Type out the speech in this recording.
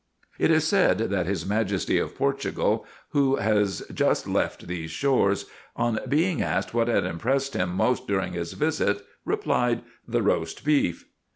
It is said that his Majesty of Portugal, who has just left these shores, on being asked what had impressed him most during his visit, replied, "The roast beef."